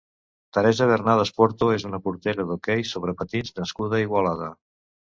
Teresa Bernadas Porto és una portera d'hoquei sobre patins nascuda a Igualada.